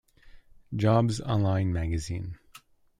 Jobs online magazine.